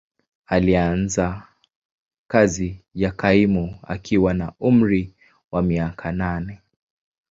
Alianza kazi ya kaimu akiwa na umri wa miaka nane.